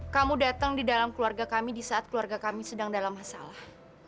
kamu datang di dalam keluarga kami di saat keluarga kami sedang dalam masalah